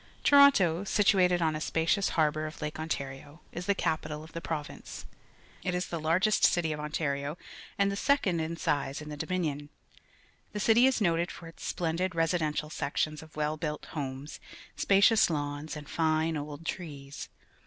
— Toronto, situated o n a spacious harbour of Lake Ontario, is the capital of the province. It is the largest city of Ontario and the second in size in the JDominion. The city is noted for its splendid residential sections of well built homes, spacious lawns, and fine old trees.